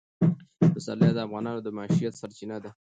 پسرلی د افغانانو د معیشت سرچینه ده.